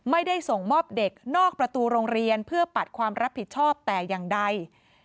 ไม่ได้ส่งมอบเด็กนอกประตูโรงเรียนเพื่อปัดความรับผิดชอบแต่อย่างใด